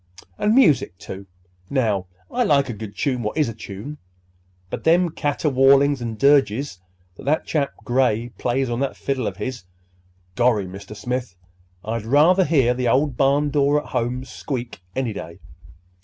And music, too. Now, I like a good tune what is a tune; but them caterwaulings and dirges that that chap Gray plays on that fiddle of his—gorry, Mr. Smith, I'd rather hear the old barn door at home squeak any day.